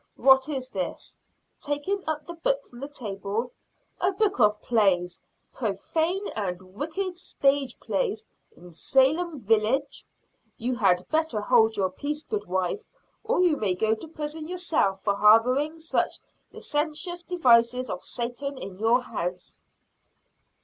"What is this?" taking up the book from the table. "A book of plays! profane and wicked stage plays, in Salem village! You had better hold your peace, goodwife; or you may go to prison yourself for harboring such licentious devices of Satan in your house."